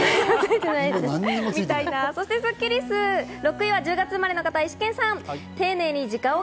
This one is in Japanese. スッキりす、６位は１０月生まれの方、イシケンさん。